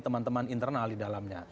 teman teman internal di dalamnya